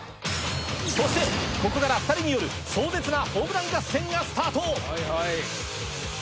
そしてここから２人による壮絶なホームラン合戦がスタート。